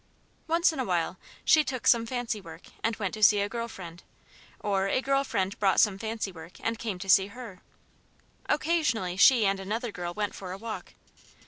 Once in a while she took some fancy work and went to see a girl friend, or a girl friend brought some fancy work and came to see her. Occasionally she and another girl went for a walk.